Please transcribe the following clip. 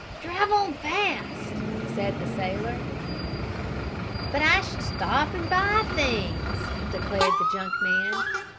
"Drive on, fast!" said the sailor. "But I should must stop and buy things!" declared the junk man.